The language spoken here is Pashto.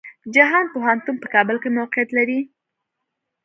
جهان پوهنتون په کابل کې موقيعت لري.